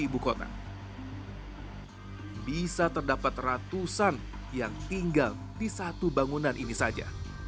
bisa terdapat ratusan yang tinggal di satu bangunan ini saja